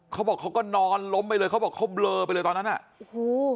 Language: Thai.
เขาบอกเขาก็นอนล้มไปเลยเขาบอกเขาเบลอไปเลยตอนนั้นอ่ะโอ้โห